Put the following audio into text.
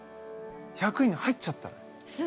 １００位に入っちゃったのよ。